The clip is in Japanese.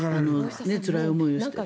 つらい思いをして。